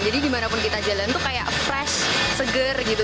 jadi dimanapun kita jalan itu kayak fresh seger gitu